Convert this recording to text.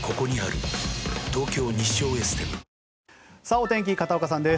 お天気、片岡さんです。